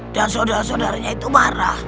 dan saudara saudaranya itu marah